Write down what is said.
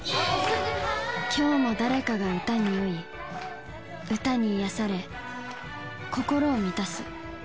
今日も誰かが歌に酔い歌に癒やされ心を満たす。